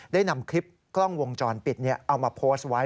ได้นำคลิปกล้องวงจรปิดเอามาโพสต์ไว้